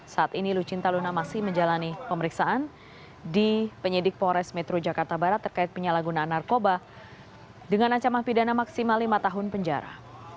saat ini lucinta luna masih menjalani pemeriksaan di penyidik polres metro jakarta barat terkait penyalahgunaan narkoba dengan ancaman pidana maksimal lima tahun penjara